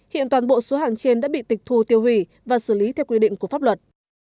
hiện toàn bộ số hàng trên đã bị tịch thu tiêu hủy và xử lý theo quy định của pháp luật